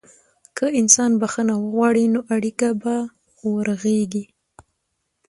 که انسان بخښنه وغواړي، نو اړیکه به ورغېږي.